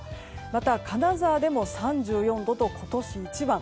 また、金沢でも３４度と今年一番。